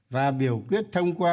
và biểu quyết thông qua